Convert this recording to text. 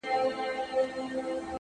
و ذهن ته دي بيا د بنگړو شرنگ در اچوم-